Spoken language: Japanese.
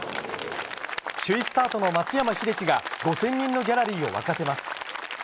首位スタートの松山英樹が５０００人のギャラリーを沸かせます。